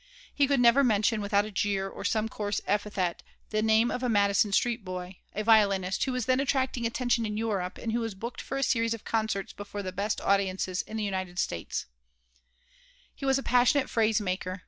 He could never mention without a jeer or some coarse epithet the name of a Madison Street boy, a violinist, who was then attracting attention in Europe and who was booked for a series of concerts before the best audiences in the United States He was a passionate phrase maker.